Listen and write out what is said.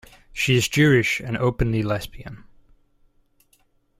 She is Jewish and openly lesbian.